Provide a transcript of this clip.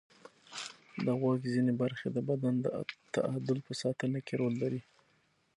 د غوږ ځینې برخې د بدن د تعادل په ساتنه کې رول لري.